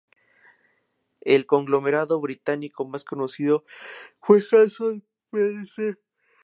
El conglomerado británico más conocido fue Hanson plc.